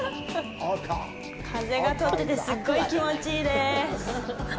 風が通っててすっごい気持ちいいです。